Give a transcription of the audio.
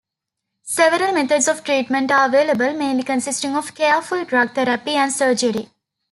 Several methods of treatment are available, mainly consisting of careful drug therapy and surgery.